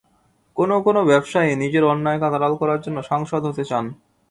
কোনো কোনো ব্যবসায়ী নিজের অন্যায় কাজ আড়াল করার জন্য সাংসদ হতে চান।